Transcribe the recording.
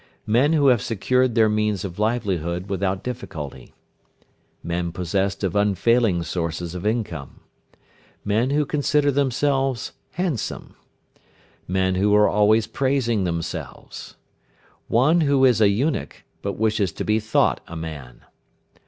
Men who have secured their means of livelihood without difficulty. Men possessed of unfailing sources of income. Men who consider themselves handsome. Men who are always praising themselves. One who is an eunuch, but wishes to be thought a man.